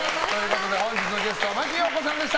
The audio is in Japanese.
本日のゲスト真木よう子さんでした。